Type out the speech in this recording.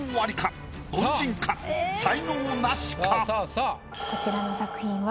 さあこちらの作品は。